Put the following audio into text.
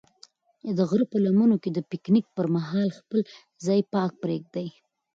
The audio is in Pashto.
د غره په لمنو کې د پکنیک پر مهال خپل ځای پاک پرېږدئ.